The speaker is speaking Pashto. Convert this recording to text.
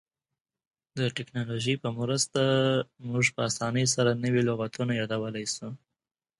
د ټکنالوژۍ په مرسته موږ په اسانۍ سره نوي لغتونه یادولای سو.